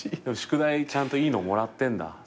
宿題ちゃんといいのもらってんだ。